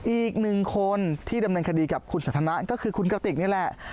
อีกหนึ่งคนที่ดำเนินคดีกับคุณสันทนาก็คือคุณกติกนี่แหละ